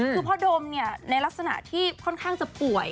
คือพ่อดมในลักษณะที่ค่อนข้างจะป่วย